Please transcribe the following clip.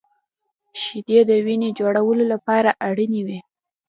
• شیدې د وینې جوړولو لپاره اړینې وي.